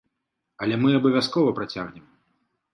Але мы абавязкова працягнем!